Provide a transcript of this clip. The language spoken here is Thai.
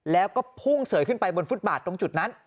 แล้วก็พุ่งเสยขึ้นไปบนฟุตบาทตรงจุดนั้น